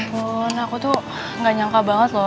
ya ampun aku tuh gak nyangka banget loh